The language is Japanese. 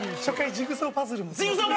ジグソーパズル！